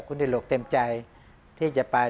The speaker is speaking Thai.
คุณดิหลกเต็มใจที่จะไป